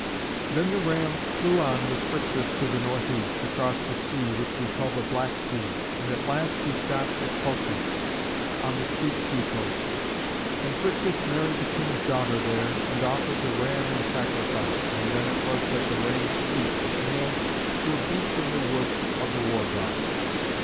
Then the ram flew on with Phrixus to the northeast, across the sea which we call the Black Sea, and at last he stopped at Colchis, on the steep sea coast. And Phrixus married the King's daughter there, and offered the ram in sacrifice, and then it was that the ram's fleece was nailed to a beech in the wood of the War god.